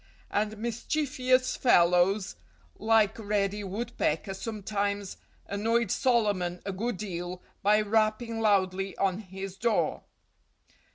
And mischievous fellows like Reddy Woodpecker sometimes annoyed Solomon a good deal by rapping loudly on his door.